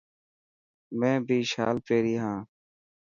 مين بي شال پيري هان.